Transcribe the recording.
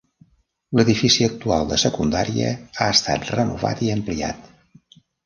L'edifici actual de secundària ha estat renovat i ampliat.